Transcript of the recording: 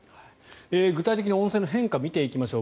具体的な温泉変化を見ていきましょう。